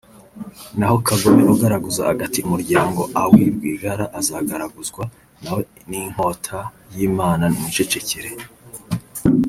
naho kagome ugaraguza agati umuryango aw Rwigara azagaraguzwa nawe ninkota y Imana nimwicecekere